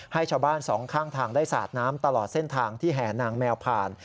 ให้ชาวบ้านสองข้างทางได้สาดน้ำตลอดเส้นทางที่แห่นางแมวผ่าน